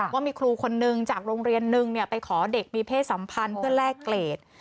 ว่ามีครูคนนึงจากโรงเรียนนึงไปขอเด็กมีเพศสัมพันธ์เพื่อแลกเกรด